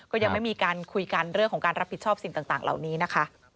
ก็ยังไม่มีการคุยกันเรื่องของการรับผิดชอบสิ่งต่างเหล่านี้นะคะ